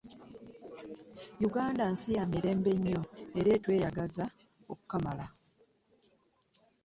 Uganda nsi ya mirembe nnyo era etweyagala okukamala.